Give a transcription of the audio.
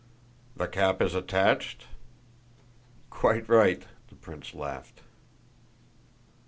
"The cap is attached?" "Quite right." The prince laughed.